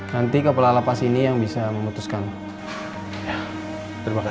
nanti kepala lapas ini akan berjalan dengan baik